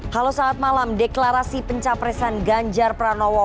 halo saat malam deklarasi pencapresan ganjar pranowo